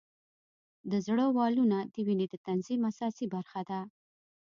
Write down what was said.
د زړه والونه د وینې د تنظیم اساسي برخه ده.